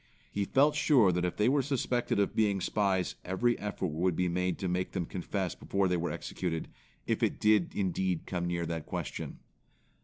He felt sure that if they were suspected of being spies every effort would be made to make them confess before they were executed, if it did indeed come near that question.